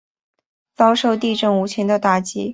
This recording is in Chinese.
遭受地震无情的打击